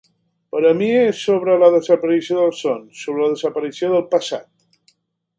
Per a mi, és sobre la desaparició dels sons, sobre la desaparició del passat.